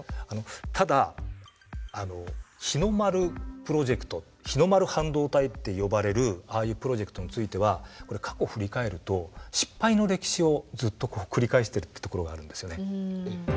ただ日の丸プロジェクト日の丸半導体って呼ばれるああいうプロジェクトについては過去を振り返ると失敗の歴史をずっと繰り返してるってところがあるんですよね。